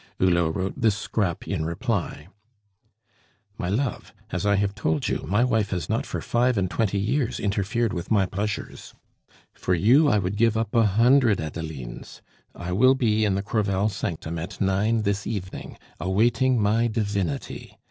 Hulot wrote this scrap in reply: "MY LOVE, As I have told you, my wife has not for five and twenty years interfered with my pleasures. For you I would give up a hundred Adelines. I will be in the Crevel sanctum at nine this evening awaiting my divinity.